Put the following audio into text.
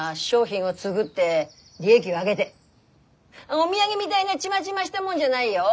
お土産みだいなチマチマしたもんじゃないよ？